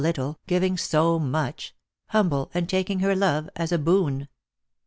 293 little, giving so much ; humble, and taking her love as a boon.